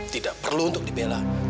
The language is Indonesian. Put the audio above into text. tidak perlu untuk dibelang